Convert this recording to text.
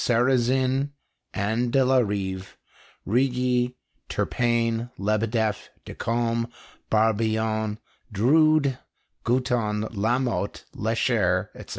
Sarrazin and de la Rive, Righi, Turpain, Lebedeff, Decombe, Barbillon, Drude, Gutton, Lamotte, Lecher, etc.